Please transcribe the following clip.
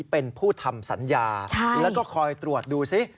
เป็นผู้ทำสัญญาแล้วก็คอยตรวจดูซิ